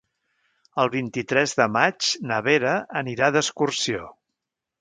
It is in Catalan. El vint-i-tres de maig na Vera anirà d'excursió.